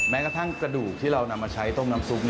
แม้กระทั่งกระดูกที่เรานำมาใช้ต้มน้ำซุป